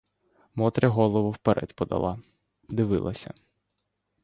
Мотря голову вперед подала — дивилася.